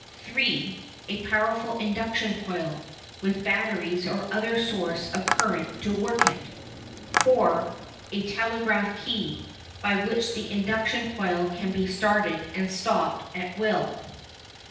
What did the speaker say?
(3) A powerful Induction Coil with batteries or other source of current to work it. (4) A Telegraph Key, by which the induction coil can be started and stopped at will.